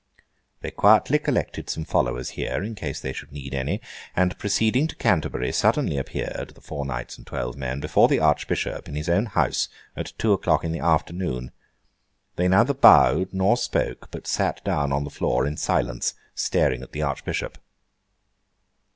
They quietly collected some followers here, in case they should need any; and proceeding to Canterbury, suddenly appeared (the four knights and twelve men) before the Archbishop, in his own house, at two o'clock in the afternoon. They neither bowed nor spoke, but sat down on the floor in silence, staring at the Archbishop.